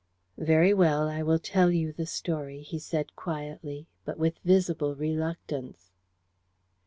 "Very well, I will tell you the story," he said quietly, but with visible reluctance.